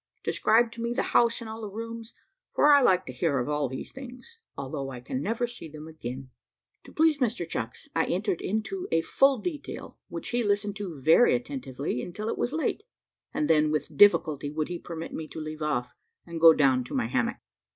Describe to me the house and all the rooms, for I like to hear of all these things, although I can never see them again." To please Mr Chucks, I entered into a full detail, which he listened to very attentively, until it was late, and then with difficulty would he permit me to leave off, and go down to my hammock.